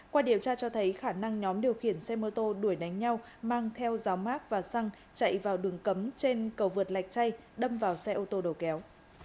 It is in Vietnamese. qua điều tra cho thấy khả năng nhóm điều khiển xe mô tô đuổi đánh nhau mang theo giáo mác và xăng chạy vào đường cấm trên cầu vượt lạch chay đâm vào xe ô tô đầu kéo